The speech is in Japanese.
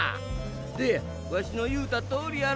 どやわしのいうたとおりやろ？